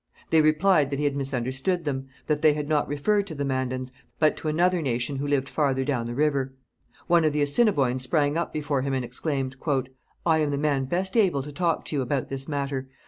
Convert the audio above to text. They replied that he had misunderstood them; that they had not referred to the Mandans, but to another nation who lived farther down the river. One of the Assiniboines sprang up before him and exclaimed: 'I am the man best able to talk to you about this matter.